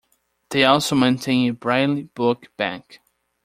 They also maintain a braille book bank.